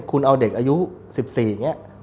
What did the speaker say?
คุณเอาเด็กอายุ๑๔อย่างนี้